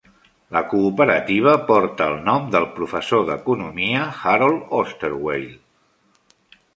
La cooperativa porta el nom del professor d'Economia Harold Osterweil.